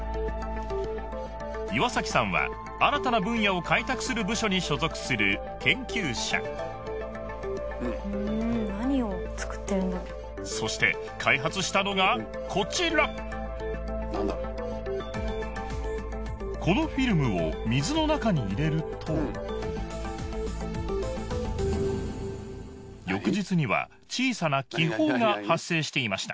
岩崎さんは新たな分野を開拓する部署に所属する研究者そして開発したのがこちらこのフィルムを水の中に入れると翌日には小さな気泡が発生していました